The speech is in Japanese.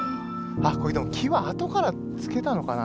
これでも木は後から付けたのかな？